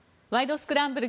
スクランブル」